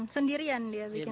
sendirian dia bikin